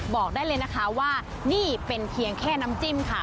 บอกได้เลยนะคะว่านี่เป็นเพียงแค่น้ำจิ้มค่ะ